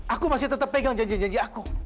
aku masih tetap pegang janji janji aku